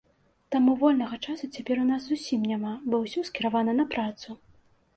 Таму вольнага часу цяпер у нас зусім няма, бо ўсё скіравана на працу.